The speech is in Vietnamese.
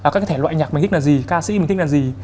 các thể loại nhạc mình thích là gì ca sĩ mình thích là gì